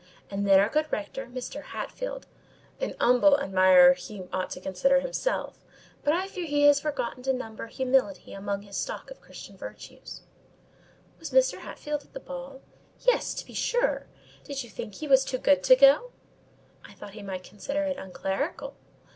and then, our good rector, Mr. Hatfield: an humble admirer he ought to consider himself; but I fear he has forgotten to number humility among his stock of Christian virtues." "Was Mr. Hatfield at the ball?" "Yes, to be sure. Did you think he was too good to go?" "I thought be might consider it unclerical."